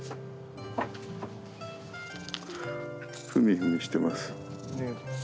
踏み踏みしてます。